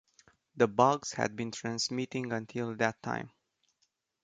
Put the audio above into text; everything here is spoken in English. The bugs had been transmitting until that time.